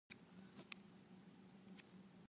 Dia selalu membuatku terkejut.